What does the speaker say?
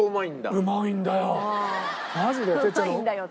うまいんだよ。